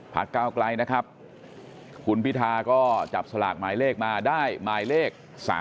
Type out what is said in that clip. ก้าวไกลนะครับคุณพิธาก็จับสลากหมายเลขมาได้หมายเลข๓๓